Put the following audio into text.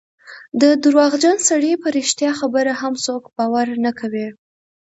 د درواغجن سړي په رښتیا خبره هم څوک باور نه کوي.